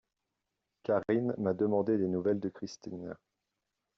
Karine m’a demandé des nouvelles de Christine.